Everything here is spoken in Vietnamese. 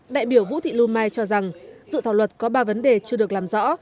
đại biểu vũ thị lưu mai cho rằng dự thảo luật có ba vấn đề chưa được làm rõ